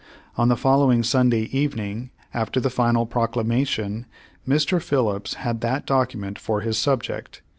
On the following Sunday eve ning, after the final Proclamation, Mr. Phillips had that docum.ent for his subject.